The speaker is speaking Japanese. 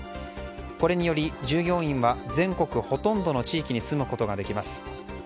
これにより、従業員は全国ほとんどの地域に住むことができます。